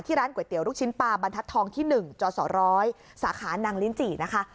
ร้านก๋วยเตี๋ยลูกชิ้นปลาบรรทัศนทองที่๑จสร้อยสาขานางลิ้นจินะคะ